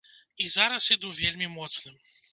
І зараз іду вельмі моцным.